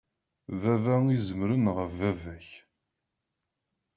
Baba i izemren ɣef baba-k.